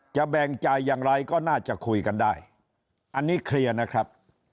แบ่งจ่ายอย่างไรก็น่าจะคุยกันได้อันนี้เคลียร์นะครับ